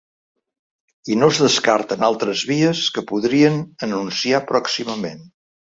I no es descarten altres vies que podrien anunciar pròximament.